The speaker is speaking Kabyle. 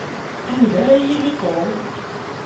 Anda ara yili Tom?